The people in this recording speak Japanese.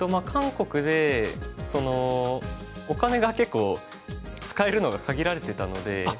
韓国でお金が結構使えるのが限られてたので。